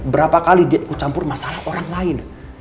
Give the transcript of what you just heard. berapa kali dia campur masalah orang lain